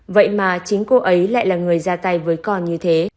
vậy mà chính cô ấy lại là người ra tay với con như thế